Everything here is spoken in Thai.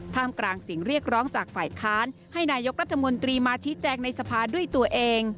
กลางเสียงเรียกร้องจากฝ่ายค้านให้นายกรัฐมนตรีมาชี้แจงในสภาด้วยตัวเอง